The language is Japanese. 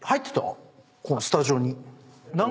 このスタジオに。